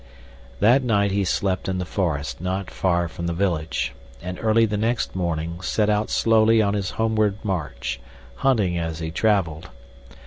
That night he slept in the forest not far from the village, and early the next morning set out slowly on his homeward march, hunting as he traveled.